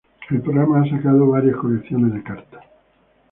El programa ha sacado varias colecciones de cartas.